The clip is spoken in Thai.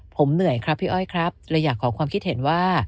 ผมเหนื่อยครับพี่อ้อยครับเลยอยากขอความคิดเห็นว่า